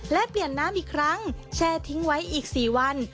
และเปลี่ยนน้ำอีกครั้งแช่ทิ้งไว้อีก๔วัน